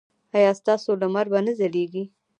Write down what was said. ایا ستاسو لمر به نه ځلیږي؟